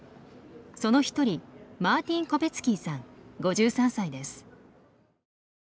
その一人マーティン・コペツキーさん５３歳です。